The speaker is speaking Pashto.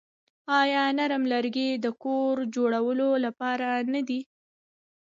آیا نرم لرګي د کور جوړولو لپاره نه دي؟